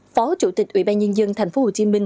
phó chủ tịch ủy ban nhân dân tp hcm